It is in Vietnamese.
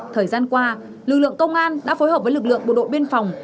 thời gian qua lực lượng công an đã phối hợp với lực lượng bộ đội biên phòng